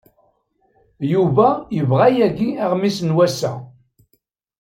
Yuba yeɣra yagi aɣmis n wass-a.